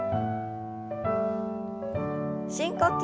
深呼吸。